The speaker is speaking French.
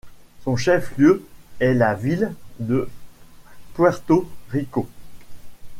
Son chef-lieu est la ville de Puerto Rico.